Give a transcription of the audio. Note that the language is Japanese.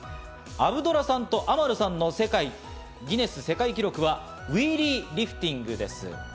その他にもアブドゥラさんとアマルさんのギネス世界記録はウィリーリフティングです。